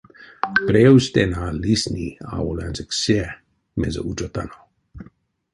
Превстэнь а лисни аволь ансяк се, мезе учотано.